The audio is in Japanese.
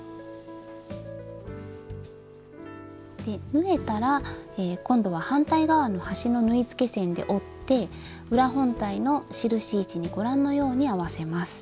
縫えたら今度は反対側の端の縫い付け線で折って裏本体の印位置にご覧のように合わせます。